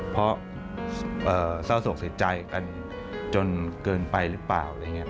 เพราะเศร้าโสกเสียใจกันจนเกินไปหรือเปล่า